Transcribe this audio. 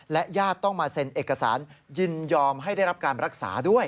ญาติต้องมาเซ็นเอกสารยินยอมให้ได้รับการรักษาด้วย